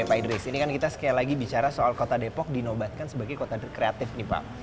pak idris ini kan kita sekali lagi bicara soal kota depok dinobatkan sebagai kota kreatif nih pak